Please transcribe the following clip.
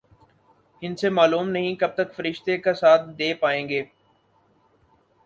ہندسے معلوم نہیں کب تک فرشتے کا ساتھ دے پائیں گے۔